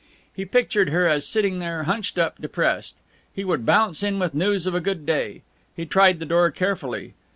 He pictured her as sitting there, hunched up, depressed. He would bounce in with news of a good day. He tried the door carefully.